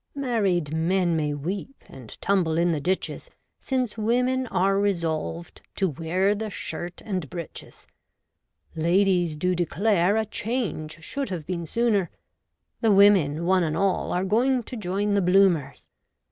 Married men may weep, And tumble in the ditches, Since women are resolved To wear the shirt and breeches. Ladies do declare A change should have been sooner. The women, one and all, Are going to join the Bloomers.